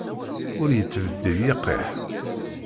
Ur yettbeddil yiqiḥ.